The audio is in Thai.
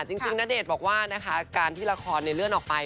จริงนาเดชบอกว่าการที่ละครในเรื่องออกไป